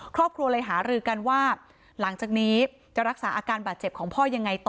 ครอบครัวเลยหารือกันว่าหลังจากนี้จะรักษาอาการบาดเจ็บของพ่อยังไงต่อ